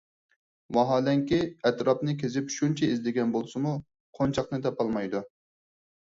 ۋاھالەنكى، ئەتراپنى كېزىپ شۇنچە ئىزدىگەن بولسىمۇ، قونچاقنى تاپالمايدۇ.